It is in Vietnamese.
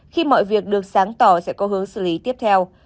khi mọi việc được sáng tỏ sẽ có hướng xử lý tiếp theo